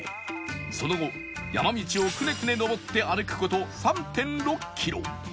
その後山道をクネクネ上って歩く事 ３．６ キロ